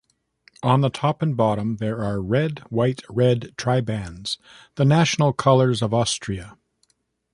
On the top and bottom, there are red-white-red tribands, the national colors of Austria.